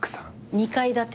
２階建て？